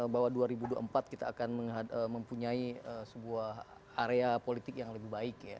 bahwa dua ribu dua puluh empat kita akan mempunyai sebuah area politik yang lebih baik ya